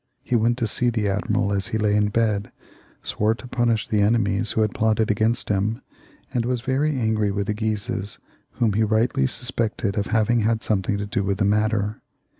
He went to see the admiral as he lay in bed, swore to punish the enemies who had plotted against him, and was very angry with the Guises, whom he rightly suspected of having had something to do with the matter.